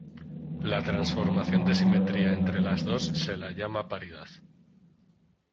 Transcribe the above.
La transformación de simetría entre las dos se la llama paridad.